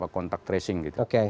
kontak tracing gitu